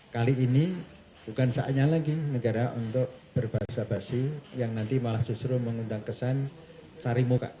kali ini bukan saatnya lagi negara untuk berbahasa basi yang nanti malah justru mengundang kesan cari muka